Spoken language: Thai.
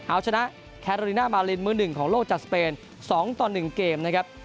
อาวุธชนะแนะคะอรีนามารนมือ๑ของโลกจากสเปน๒๑เกม